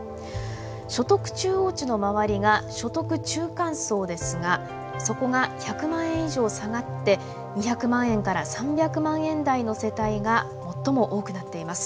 所得中央値の周りが所得中間層ですがそこが１００万円以上下がって２００万円から３００万円台の世帯が最も多くなっています。